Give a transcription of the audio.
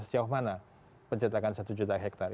sejauh mana pencetakan satu juta hektare